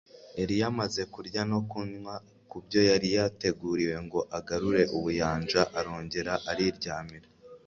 Eliya amaze kurya no kunywa ku byo yari yateguriwe ngo agarure ubuyanja arongera ariryamira